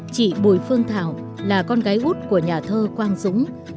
chị bùi phương thảo là con gái út của nhà thơ quang dũng